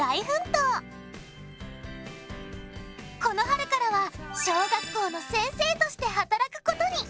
この春からは小学校の先生として働くことに！